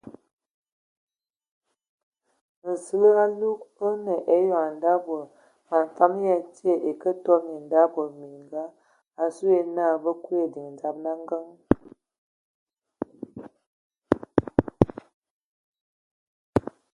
Nsili alug o nə eyɔŋ nda bod man fam ya tie na ya kə toban ai ndabod man mininga asu ye na bə kuli ediŋ dzaba a ngəŋ.